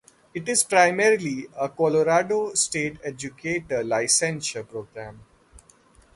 It is primarily a Colorado state educator licensure program.